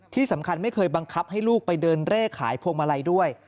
ที่สำคัญไม่เคยบังคับให้ลูกไปเดินเร่ขายพวงมาลัยด้วย